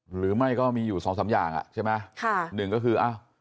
หรือไม่ก็มีอยู่สองสามอย่างอ่ะใช่ไหมค่ะหนึ่งก็คืออ้าว